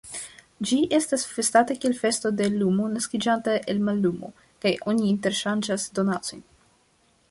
Ĝi estas festata kiel festo de lumo naskiĝanta el mallumo, kaj oni interŝanĝas donacojn.